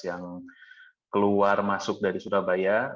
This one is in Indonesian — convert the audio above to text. yang keluar masuk dari surabaya